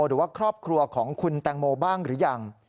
หรือว่าครอบครัวของคุณแตงโมบ้างหรือยัง